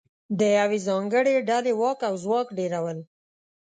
د یوې ځانګړې ډلې واک او ځواک ډېرول